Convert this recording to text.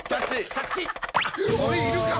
着地。